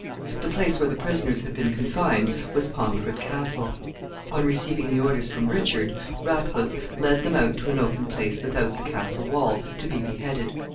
The place where the prisoners had been confined was Pomfret Castle.[M] On receiving the orders from Richard, Ratcliffe led them out to an open place without the castle wall to be beheaded.